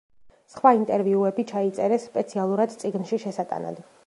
სხვა ინტერვიუები ჩაიწერეს სპეციალურად წიგნში შესატანად.